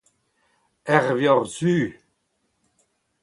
ur vuoc’h zu